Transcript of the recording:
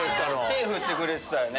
手振ってくれてたよね。